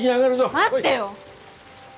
待ってよ！